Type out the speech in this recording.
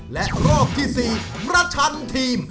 และรอบที่๔ประชันทีม